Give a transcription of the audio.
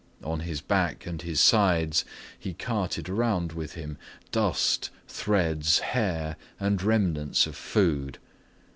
On his back and his sides he carted around with him dust, threads, hair, and remnants of food.